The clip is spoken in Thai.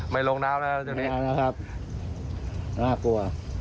ไม่ลงน้ำแล้วเจ้านี้ไม่เอาแล้วครับน่ากลัว